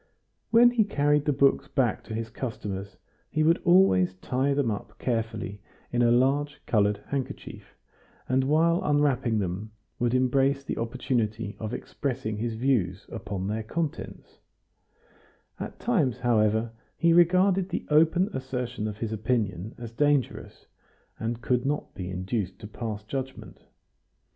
When he carried the books back to his customers, he would always tie them up carefully in a large colored handkerchief, and, while unwrapping them, would embrace the opportunity of expressing his views upon their contents; at times, however, he regarded the open assertion of his opinion as dangerous, and could not be induced to pass judgment.